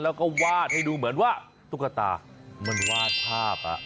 แล้วก็วาดให้ดูเหมือนว่าตุ๊กตามันวาดภาพ